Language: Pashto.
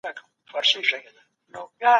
دا له هغه څخه کوچنی دئ.